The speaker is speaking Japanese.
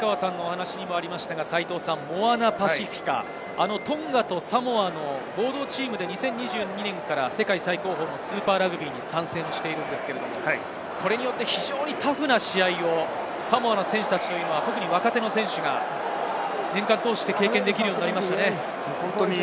モアナ・パシフィカ、トンガとサモアの合同チームで２０２２年から世界最高峰のスーパーラグビーに参戦しているんですけれど、これによってタフな試合をサモアの選手たち、若手の選手が年間を通して経験できるようになりましたね。